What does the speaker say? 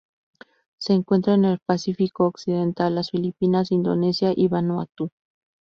Se encuentra en el Pacífico occidental: las Filipinas, Indonesia y Vanuatu.